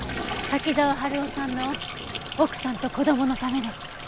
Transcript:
滝沢春夫さんの奥さんと子供のためです。